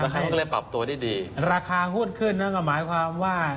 ก็เลยปรับตัวดีราคาหวุดขึ้นก็หมายความว่า